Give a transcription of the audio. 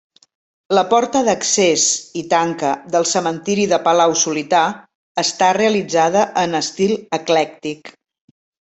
La porta d'accés i tanca del cementiri de Palau-Solità està realitzada en estil eclèctic.